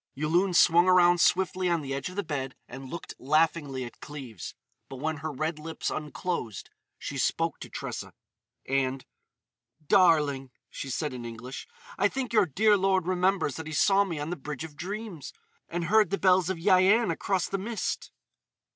Yulun swung around swiftly on the edge of the bed and looked laughingly at Cleves. But when her red lips unclosed she spoke to Tressa: and, "Darling," she said in English, "I think your dear lord remembers that he saw me on the Bridge of Dreams. And heard the bells of Yian across the mist."